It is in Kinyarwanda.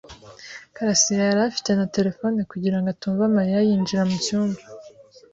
karasira yari afite na terefone kugira ngo atumva Mariya yinjira mu cyumba.